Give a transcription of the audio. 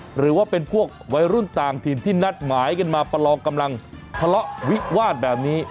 หรือว่าเป็นพวกวัยรุ่นต่างถิ่นที่นัดหมายกันมาประลองกำลังทะเลาะวิวาดแบบนี้